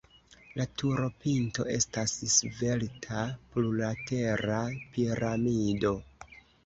La turopinto estas svelta plurlatera piramido.